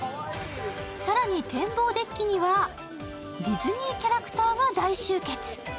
更に天望デッキにはディズニーキャラクターが大集結。